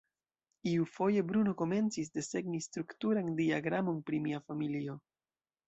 Iufoje Bruno komencis desegni strukturan diagramon pri mia familio.